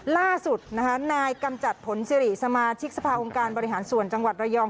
ล่าสุดนะคะนายกำจัดผลสิริสมาชิกสภาองค์การบริหารส่วนจังหวัดระยอง